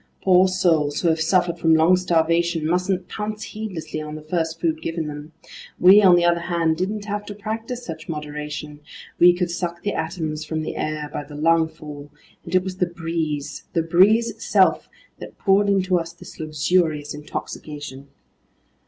Poor souls who have suffered from long starvation mustn't pounce heedlessly on the first food given them. We, on the other hand, didn't have to practice such moderation: we could suck the atoms from the air by the lungful, and it was the breeze, the breeze itself, that poured into us this luxurious intoxication!